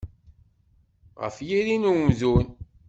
Ɣef yiri n umdun.